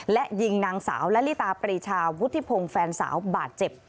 และยิงนางสาวละลิตาปรีชาวุฒิพงศ์แฟนสาวบาดเจ็บ